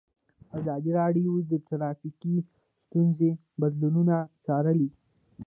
ازادي راډیو د ټرافیکي ستونزې بدلونونه څارلي.